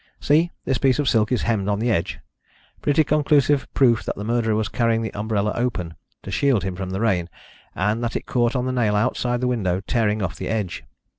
See, this piece of silk is hemmed on the edge pretty conclusive proof that the murderer was carrying the umbrella open, to shield him from the rain, and that it caught on the nail outside the window, tearing off the edge.